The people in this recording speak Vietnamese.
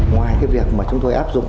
ngoài việc chúng tôi áp dụng